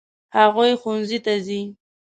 هغوی ښوونځي ته ځي.